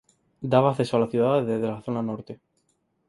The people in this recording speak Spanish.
Daba acceso a la ciudad desde la zona norte.